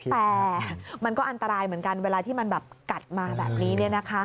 แต่มันก็อันตรายเหมือนกันเวลาที่มันแบบกัดมาแบบนี้